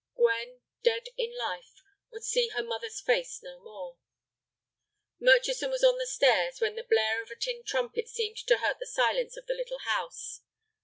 Gwen, dead in life, would see her mother's face no more. Murchison was on the stairs when the blare of a tin trumpet seemed to hurt the silence of the little house.